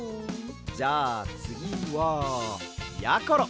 じゃあつぎはやころ！